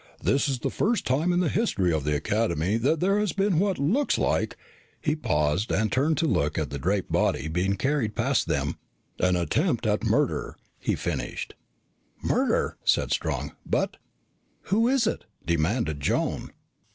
"This is the first time in the history of the Academy that there has been what looks like" he paused and turned to look at the draped body being carried past them "an attempt at murder," he finished. "Murder!" said Strong. "But " "Who is it?" demanded Joan.